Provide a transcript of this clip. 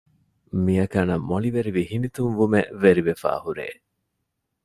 މިއަކަނަށް މޮޅިވެރި ހިނިތުންވުމެއް ވެރިވެފައި ހުރޭ